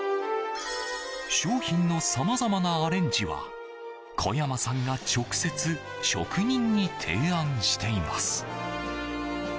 商品のさまざまなアレンジは小山さんが直接、職人に提案しています。